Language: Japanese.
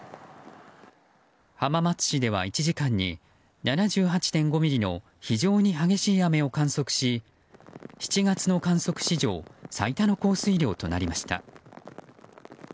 浜松市では１時間に７８．５ミリの非常に激しい雨を観測し７月の観測史上最多の降水量となりました。